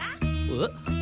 えっ？